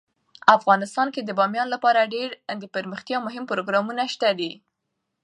افغانستان کې د بامیان لپاره ډیر دپرمختیا مهم پروګرامونه شته دي.